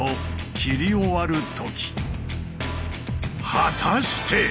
果たして！